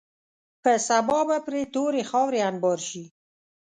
په سبا به پرې تورې خاورې انبار شي.